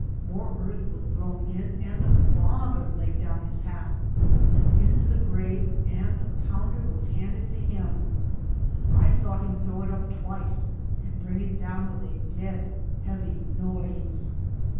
More earth was thrown in, and the father laid down his hat, stepped into the grave, and the pounder was handed to him. I saw him throw it up twice and bring it down with a dead, heavy noise.